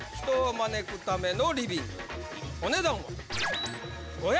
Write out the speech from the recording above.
お値段は。